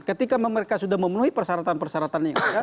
ketika mereka sudah memenuhi persyaratan persyaratannya